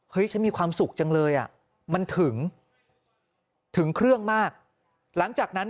ฉันมีความสุขจังเลยอ่ะมันถึงถึงเครื่องมากหลังจากนั้น